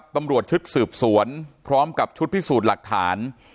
ตำรวจชุดสืบสวนพร้อมกับชุดพิสูจน์หลักฐาน